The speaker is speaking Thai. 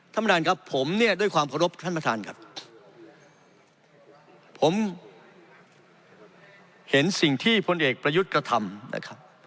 ท่านประธานครับผมเนี่ยด้วยความเคารพท่านประธานครับผมเห็นสิ่งที่พลเอกประยุทธ์กระทำนะครับ